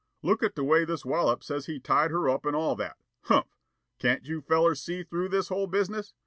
Look at the way this Wollop says he tied her up and all that. Humph! Can't you fellers see through this whole business?